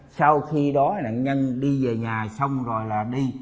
sau khi đó nạn nhân đi về nhà xong rồi là đi